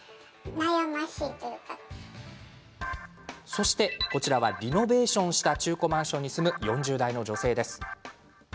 そして、こちらはリノベーションした中古マンションに住む４０代の女性。